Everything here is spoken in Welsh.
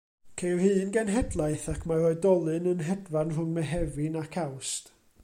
Ceir un genhedlaeth ac mae'r oedolyn yn hedfan rhwng Mehefin ac Awst.